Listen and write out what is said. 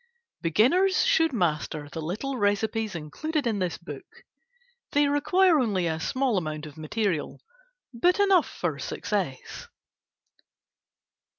Beginners should master the little recipes included in this book. They require only a small amount of material, but enough for success.